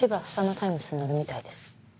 タイムスに載るみたいです。